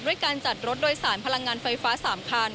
การจัดรถโดยสารพลังงานไฟฟ้า๓คัน